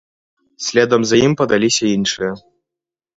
Следам за ім падаліся іншыя.